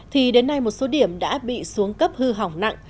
thì đến nay một số điểm đã bị xuống cấp hư hỏng nặng